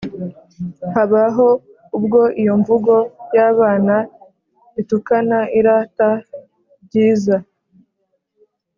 haba ho ubwo iyo m vugo y'abana i tukana ira ta ibyiza